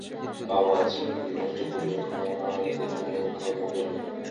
বাবা, অছিমকে তুমি নষ্ট করিয়ো না, ইহাতে তোমার ধর্ম হইবে না।